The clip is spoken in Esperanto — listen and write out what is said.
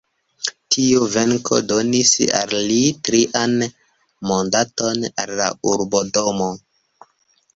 Tiu venko donis al li trian mandaton al la urbodomo.